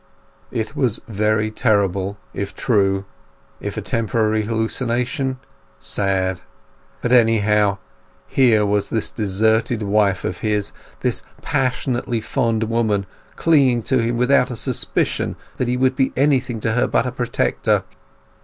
It was very terrible if true; if a temporary hallucination, sad. But, anyhow, here was this deserted wife of his, this passionately fond woman, clinging to him without a suspicion that he would be anything to her but a protector.